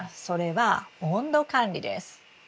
それは温度管理です。